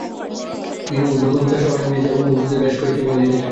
তিনি উর্দু কবিতা সহ ইংরেজি এবং উর্দুতে বেশ কয়েকটি বই লিখেছেন।